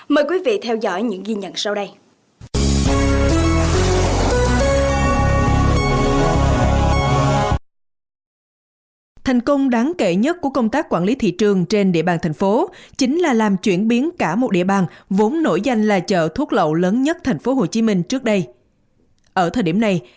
mời quý vị theo dõi những ghi nhận sau đây